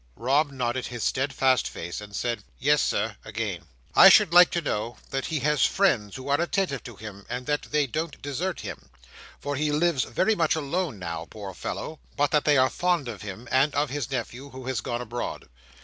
Rob nodded his steadfast face, and said "Yes, Sir," again. "I should like to know that he has friends who are attentive to him, and that they don't desert him—for he lives very much alone now, poor fellow; but that they are fond of him, and of his nephew who has gone abroad.